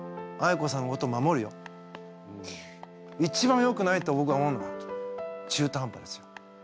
一番よくないと僕は思うのは中途半端ですよ。